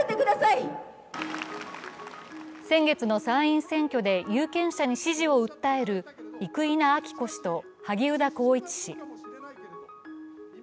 先月の参院選挙で有権者に支持を訴える生稲晃子氏と萩生田光一氏。